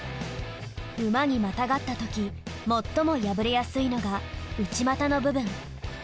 馬にまたがったとき最も破れやすいのが内股の部分。